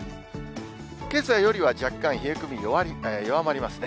けさよりは若干冷え込み、弱まりますね。